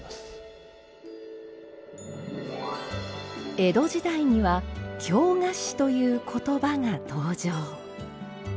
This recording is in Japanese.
江戸時代には「京菓子」という言葉が登場。